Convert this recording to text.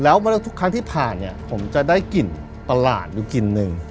แล้วทุกครั้งที่ผ่านเนี่ยผมจะได้กลิ่นประหลาดอยู่กลิ่นหนึ่ง